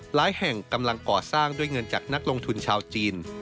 แห่งกำลังก่อสร้างด้วยเงินจากนักลงทุนชาวจีน